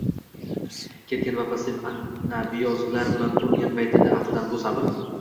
ketgan va passiv anabiozlar bilan to‘lgan payti edi. Aftidan, bu sabr